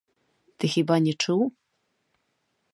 Ты хіба не чуў?